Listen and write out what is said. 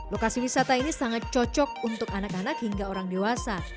lokasi wisata ini sangat cocok untuk anak anak hingga orang dewasa